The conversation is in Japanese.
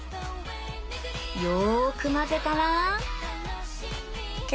よーく混ぜたら